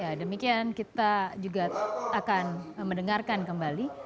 ya demikian kita juga akan mendengarkan kembali